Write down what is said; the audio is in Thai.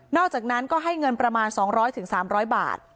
อกจากนั้นก็ให้เงินประมาณ๒๐๐๓๐๐บาท